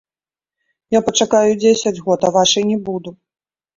Я пачакаю і дзесяць год, а вашай не буду.